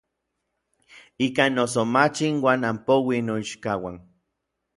Ikan noso mach inuan anpouij n noichkauan.